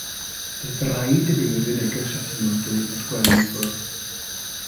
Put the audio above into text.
Bydd raid i fi yrru neges atyn nhw yn dweud fod Gwen i ffwrdd.